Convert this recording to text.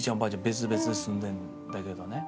別々で住んでるんだけどね。